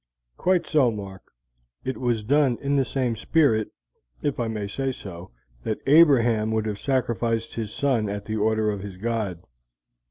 "Quite so, Mark; it was done in the same spirit, if I may say so, that Abraham would have sacrificed his son at the order of his God.